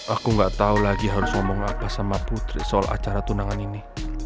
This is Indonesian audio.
aku nggak tahu lagi harus ngomong apa sama putri soal acara tunangan ini